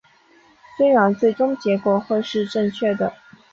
虽然最终结果会是正确的